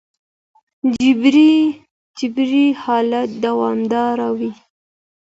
جبري حالت دوامداره وي.